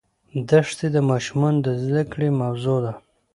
دښتې د ماشومانو د زده کړې موضوع ده.